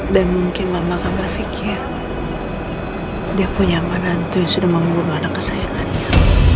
dan mungkin mama akan berpikir dia punya anak nantu yang sudah membunuh anak kesayangannya